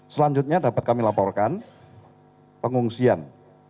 selanjutnya dapat kami laporkan pengungsian